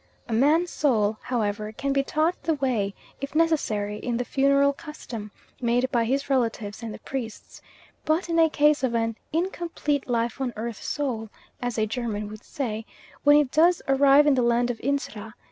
A man's soul, however, can be taught the way, if necessary, in the funeral "custom" made by his relatives and the priests; but in a case of an incompletelifeonearthsoul, as a German would say, when it does arrive in the land of Insrah (pl.)